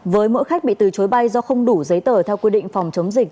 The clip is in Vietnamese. với mỗi khách bị từ chối bay do không đủ giấy tờ theo quy định phòng chống dịch